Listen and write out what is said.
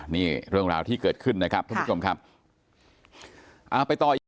นี่เรื่องราวที่เกิดขึ้นนะครับท่านผู้ชมครับอ่าไปต่ออีก